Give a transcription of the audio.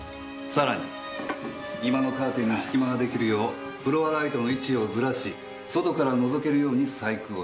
さらに居間のカーテンにすき間ができるようフロアライトの位置をずらし外からのぞけるように細工をした。